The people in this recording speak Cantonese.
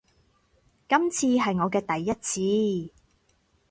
今次係我嘅第一次